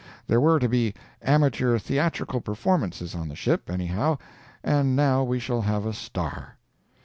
There were to be amateur theatrical performances on the ship, anyhow, and now we shall have a star.